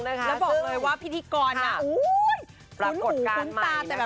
แล้วบอกเลยว่าพิธีกรน่ะปรากฏการณ์ใหม่นะคะ